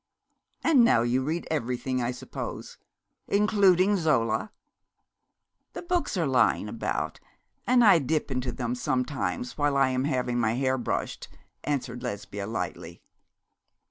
'And now you read everything, I suppose, including Zola?' 'The books are lying about, and I dip into them sometimes while I am having my hair brushed,' answered Lesbia, lightly.